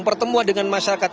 pertemuan dengan masyarakat